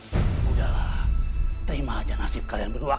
sudahlah terima aja nasib kalian berdua